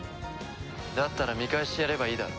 だったら見返してやればいいだろ？